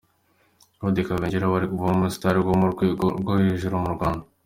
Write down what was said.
Claude Kabengera wari kuvamo umusitari wo ku rwego rwo hejuru mu Rwanda.